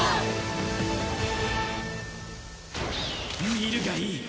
見るがいい！